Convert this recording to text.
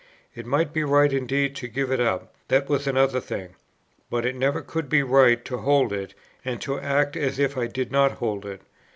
It might be right indeed to give it up, that was another thing; but it never could be right to hold it, and to act as if I did not hold it....